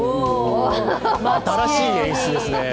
新しい演出ですね。